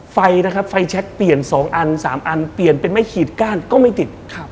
ไฟนะครับไฟแชคเปลี่ยน๒อัน๓อันเปลี่ยนเป็นไม่ขีดก้านก็ไม่ติด